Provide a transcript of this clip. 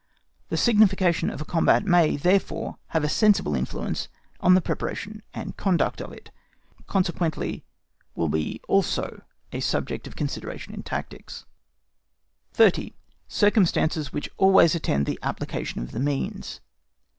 The signification of a combat may therefore have a sensible influence on the preparation and conduct of it, consequently will be also a subject of consideration in tactics. 30. CIRCUMSTANCES WHICH ALWAYS ATTEND THE APPLICATION OF THE MEANS.